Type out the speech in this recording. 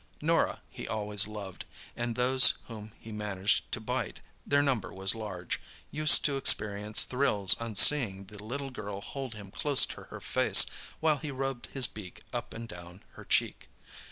Norah he always loved, and those whom he had managed to bite—their number was large—used to experience thrills on seeing the little girl hold him close to her face while he rubbed his beak up and down her cheek.